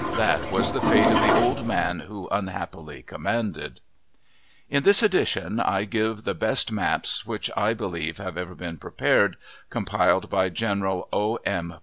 That was the fate of the old man who unhappily commanded. In this edition I give the best maps which I believe have ever been prepared, compiled by General O. M.